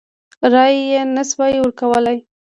رایه یې نه سوای ورکولای.